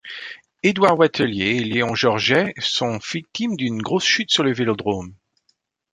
Edouard Wattelier et Léon Georget sont victimes d'une grosse chute sur le vélodrome.